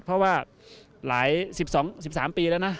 เพราะว่า๑๓ปีแล้วนะ